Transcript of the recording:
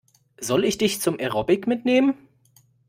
Soll ich dich zum Aerobic mitnehmen?